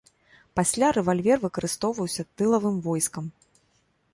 Пасля, рэвальвер выкарыстоўваўся тылавым войскам.